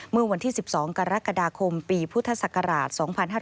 เมื่อวันที่๑๒กรกฎาคมปีพุทธศักราช๒๕๕๙